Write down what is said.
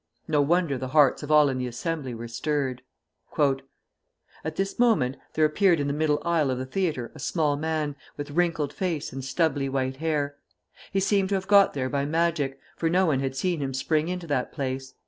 No wonder the hearts of all in the Assembly were stirred. "At this moment there appeared in the midde aisle of the theatre a small man, with wrinkled face and stubbly white hair. He seemed to have got there by magic, for no one had seen him spring into that place.